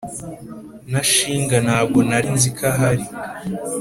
na Shinga nago narinziko ahari